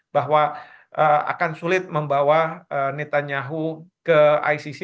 bahwa akan sulit membawa netanyahu ke icc